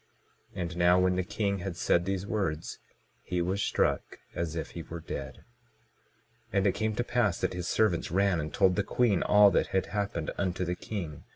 And now when the king had said these words, he was struck as if he were dead. 22:19 And it came to pass that his servants ran and told the queen all that had happened unto the king.